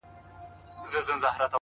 د ژوند په څو لارو كي!